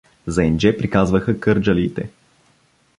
За Индже приказваха кърджалиите.